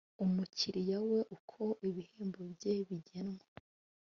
umukiriya we uko ibihembo bye bigenwa